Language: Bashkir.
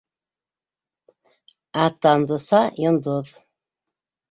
Ә Тандыса - йондоҙ.